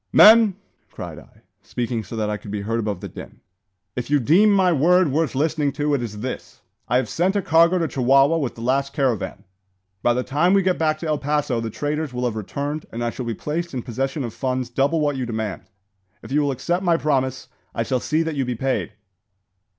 "Men!" cried I, speaking so that I could be heard above the din, "if you deem my word worth listening to, it is this: I have sent a cargo to Chihuahua with the last caravan. By the time we get back to El Paso the traders will have returned, and I shall be placed in possession of funds double what you demand. If you will accept my promise, I shall see that you be paid."